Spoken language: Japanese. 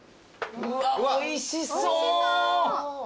うわっおいしそう！